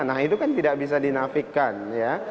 nah itu kan tidak bisa dinafikan ya